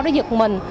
nó giật mình